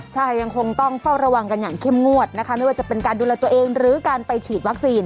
ใช่ยังคงต้องเฝ้าระวังกันอย่างเข้มงวดนะคะไม่ว่าจะเป็นการดูแลตัวเองหรือการไปฉีดวัคซีน